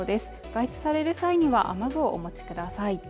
外出される際には雨具をお持ちください